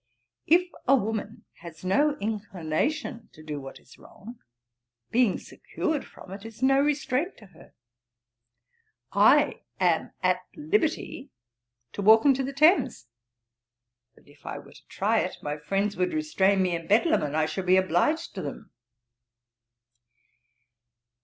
If a woman has no inclination to do what is wrong being secured from it is no restraint to her. I am at liberty to walk into the Thames; but if I were to try it, my friends would restrain me in Bedlam, and I should be obliged to them.'